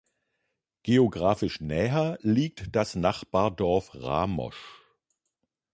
Geografisch näher liegt das Nachbardorf Ramosch.